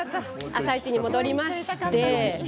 「あさイチ」に戻ります。